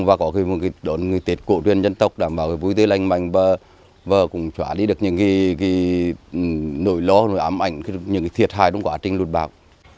và có đón người tết cổ tuyên dân tộc đảm bảo vui tươi lành mạnh và cũng trả lý được những nỗi lo nỗi ám ảnh những thiệt hại đúng quá trình luật bạc